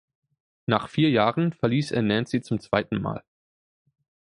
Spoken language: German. Nach vier Jahren verließ er Nancy zum zweiten Mal.